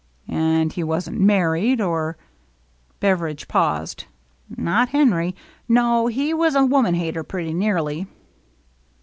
" And he wasn't married, or —" Beveridge paused. " Not Henry. No, he was a woman hater, pretty nearly."